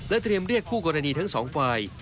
เตรียมเรียกคู่กรณีทั้งสองฝ่าย